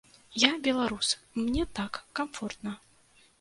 Я беларус, мне так камфортна.